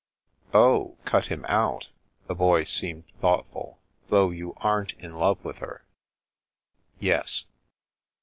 " Oh — cut him out." The Boy seemed thought ful. " Though you aren't in love with her? "" Yes."